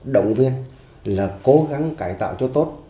động viên là cố gắng cải tạo cho tốt